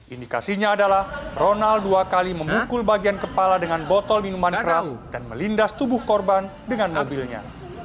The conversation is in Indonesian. indikasinya adalah ronald dua kali memukul bagian kepala dengan botol minuman keras dan melindas tubuh korban dengan mobilnya